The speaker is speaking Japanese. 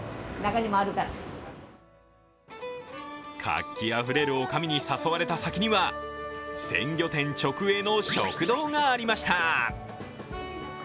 活気あふれる女将に誘われた先には鮮魚店直営の食堂がありました。